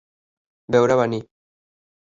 Veure a venir.